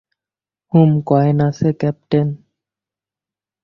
হুম, coin আছে, captain.